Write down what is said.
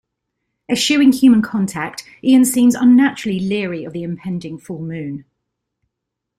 Eschewing human contact, Ian seems unnaturally leery of the impending full moon.